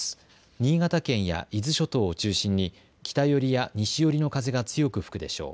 新潟県や伊豆諸島を中心に、北寄りや西寄りの風が強く吹くでしょう。